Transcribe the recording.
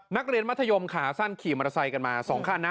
นักเรียนมัธยมขาสั้นขี่มอเตอร์ไซค์กันมา๒คันนะ